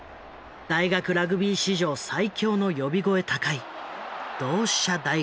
大学ラグビー史上最強の呼び声高い同志社大学。